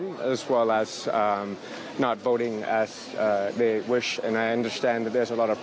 ผมจะสามารถทำแต่งงานสำหรับสังเกตุภาพ